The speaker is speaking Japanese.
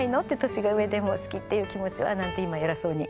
年が上でも好きっていう気持ちは」なんて今偉そうに。